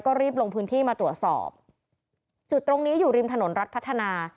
ก็รีบลงพื้นที่มาตรวจสอบจุดตรงนี้อยู่ริมถนนรัฐพัฒนา